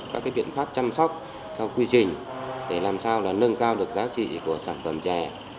các biện pháp chăm sóc theo quy trình để làm sao nâng cao được giá trị của sản phẩm chè